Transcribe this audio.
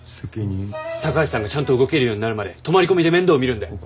高橋さんがちゃんと動けるようになるまで泊まり込みで面倒見るんで。